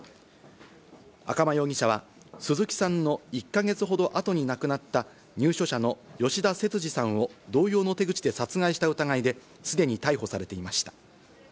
赤間容疑者は鈴木さんの１か月ほど後に亡くなった入所者の吉田節次さんを同様の手口で殺害した疑いですでに逮捕されていました。